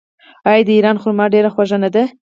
آیا د ایران خرما ډیره خوږه نه ده؟